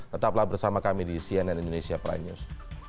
tetaplah bersama kami di cnn indonesia prime news